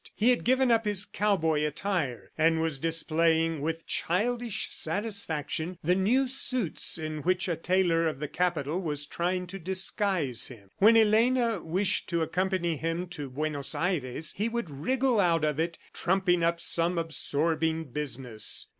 He had given up his cowboy attire, and was displaying with childish satisfaction, the new suits in which a tailor of the Capital was trying to disguise him. When Elena wished to accompany him to Buenos Aires, he would wriggle out of it, trumping up some absorbing business.